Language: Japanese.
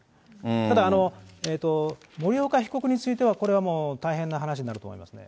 ただ、森岡被告については、これはもう大変な話になると思いますね。